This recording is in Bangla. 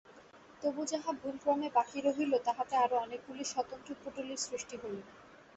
তবু যাহা ভুলক্রমে বাকি রহিল, তাহাতে আরো অনেকগুলি স্বতন্ত্র পুঁটুলির সৃষ্টি হইল।